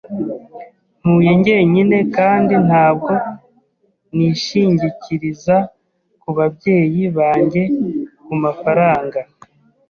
Ntuye njyenyine kandi ntabwo nishingikiriza kubabyeyi banjye kumafaranga.